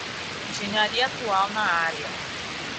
Engenharia atual na área